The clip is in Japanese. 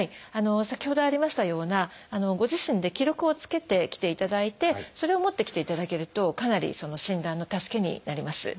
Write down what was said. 先ほどありましたようなご自身で記録をつけてきていただいてそれを持ってきていただけるとかなりその診断の助けになります。